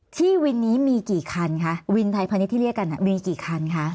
ที่วินนี้มีกี่คันคะวินไทยพาณิชยที่เรียกกันวินกี่คันคะ